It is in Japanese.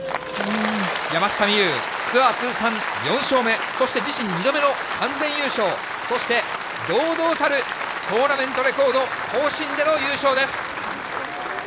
山下美夢有、ツアー通算４勝目、そして自身２度目の完全優勝、そして、堂々たるトーナメントレコード更新での優勝です。